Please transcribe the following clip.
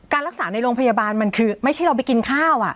รักษาในโรงพยาบาลมันคือไม่ใช่เราไปกินข้าว